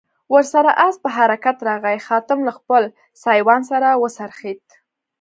ور سره آس په حرکت راغی، خادم له خپل سایوان سره و څرخېد.